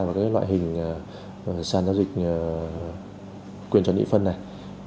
vào loại hình sàn giao dịch quyền chọn địa phân này